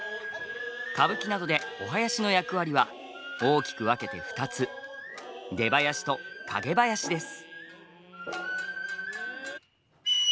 歌舞伎などでお囃子の役割は大きく分けて２つ出囃子と蔭囃子です。